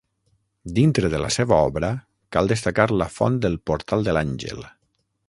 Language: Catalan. Dintre de la seva obra cal destacar la font del Portal de l'Àngel.